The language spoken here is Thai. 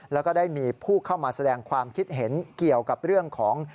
แล้วก็ได้มีผู้เข้ามาแสดงความคิดเห็นเกี่ยวกับเรื่องของ